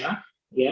kita buat diam